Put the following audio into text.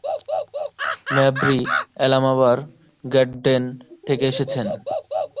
মাব্রি আলাবামার গ্যাডডেন থেকে এসেছেন।